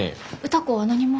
歌子は何も。